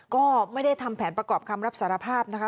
ก็ไม่ได้ทำแผนประกอบคำรับสารภาพนะคะ